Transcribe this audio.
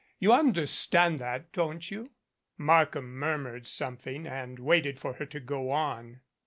You understand that, don't you?" Markham murmured something and waited for her to go on.